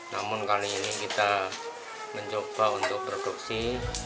namun kali ini kita mencoba untuk produksi